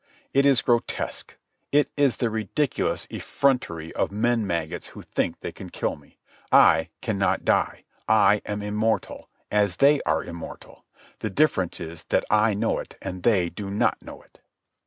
It is grotesque. It is the ridiculous effrontery of men maggots who think they can kill me. I cannot die. I am immortal, as they are immortal; the difference is that I know it and they do not know it.